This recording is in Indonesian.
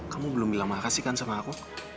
kamu belum bilang makasih kan sama aku